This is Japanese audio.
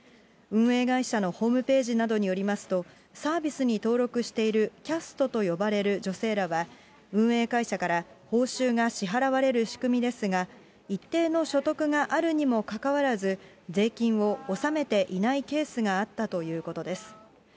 運営会社のホームページなどによりますと、サービスに登録しているキャストと呼ばれる女性らは、運営会社から報酬が支払われる仕組みですが、一定の所得があるにもかかわらず、税金を納めていないケースがあったということです。